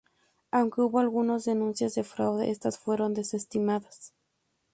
Aunque hubo algunas denuncias de fraude, estas fueron desestimadas.